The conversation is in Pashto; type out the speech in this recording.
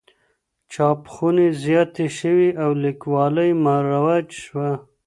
چاپخونې زياتې شوې او ليکوالۍ مروج شوه.